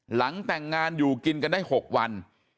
หลังแต่งงานอยู่กินกันได้๖วัน